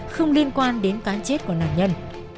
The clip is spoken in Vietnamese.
không liên quan đến cán chết của nạn nhân